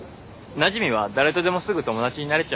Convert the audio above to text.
なじみは誰とでもすぐ友達になれちゃうもんね。